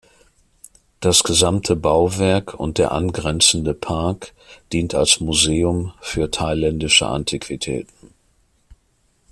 Das gesamte Bauwerk und der angrenzende Park dient als Museum für thailändische Antiquitäten.